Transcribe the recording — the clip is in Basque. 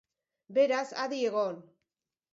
Beraz, adi egon!